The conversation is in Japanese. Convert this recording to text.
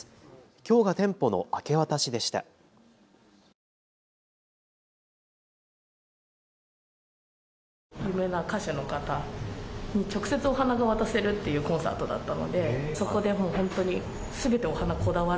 きょうが店舗の明け渡しでした。